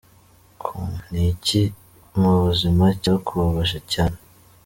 com : Ni iki mu buzima cyakubabaje cyane ?.